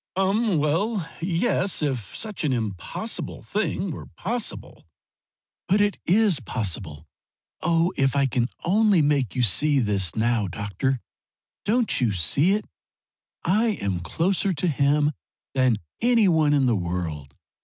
"Um well, yes, if such an impossible thing were possible." "But it is possible! Oh if I can only make you see this now! Doctor, don't you see it? I am closer to him than any one in the world!